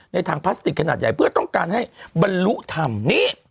ถังพลาสติกขนาดใหญ่เพื่อต้องการให้บรรลุธรรมนี่